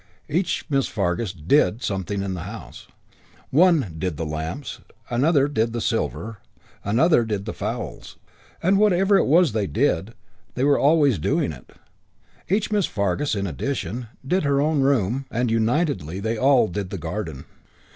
Each Miss Fargus "did" something in the house. One "did" the lamps, another "did" the silver, another "did" the fowls. And whatever it was they "did" they were always doing it. Each Miss Fargus, in addition, "did" her own room, and unitedly they all "did" the garden.